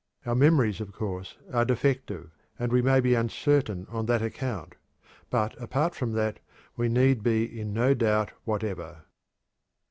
Our memories, of course, are defective, and we may be uncertain on that account; but apart from that, we need be in no doubt whatever."